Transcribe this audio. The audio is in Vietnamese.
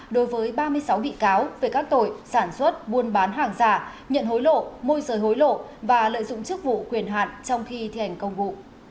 đối với ba mươi sáu bị cáo về các tội sản xuất buôn bán hàng giả nhận hối lộ môi rời hối lộ và lợi dụng chức vụ quyền hạn trong khi thi hành công vụ